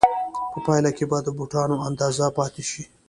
په پایله کې به د بوټانو اندازه زیاته شي